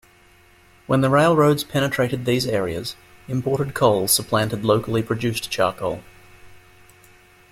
When the railroads penetrated these areas, imported coal supplanted locally produced charcoal.